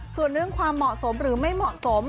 ส่วนเรื่องความเหมาะสมหรือไม่เหมาะสม